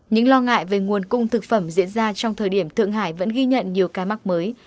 những lo ngại về nguồn cung thực phẩm diễn ra trong thời điểm thượng hải vẫn ghi nhận nhiều ca mắc mới